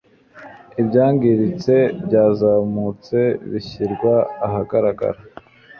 ibyangiritse byazamutse bishyirwa ahagaragara